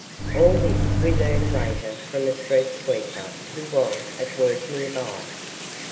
All this we learned later from a street sweeper who was at work nearby.